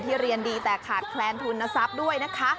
เรียนดีแต่ขาดแคลนทุนทรัพย์ด้วยนะคะ